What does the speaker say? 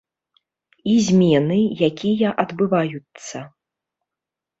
І змены, якія адбываюцца.